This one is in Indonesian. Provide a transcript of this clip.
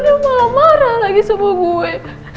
dia malah marah lagi sama gue